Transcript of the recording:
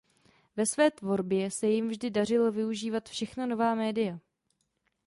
Ve své tvorbě se jim vždy dařilo využívat všechna nová média.